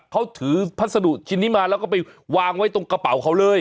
เขาถือพัสดุชิ้นนี้มาแล้วก็ไปวางไว้ตรงกระเป๋าเขาเลย